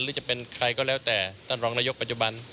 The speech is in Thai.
หรือจะเป็นใครก็แล้วแต่ท่านรองนายกปัจจุบัน